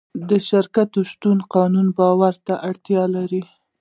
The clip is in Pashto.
د شرکت شتون د قانون باور ته اړتیا لري.